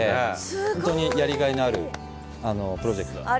本当にやりがいのあるプロジェクト。